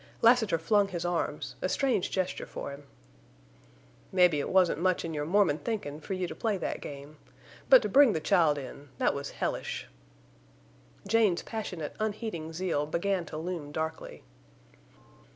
Lassiter flung his arms—a strange gesture for him. "Mebbe it wasn't much in your Mormon thinkin', for you to play that game. But to ring the child in—that was hellish!" Jane's passionate, unheeding zeal began to loom darkly.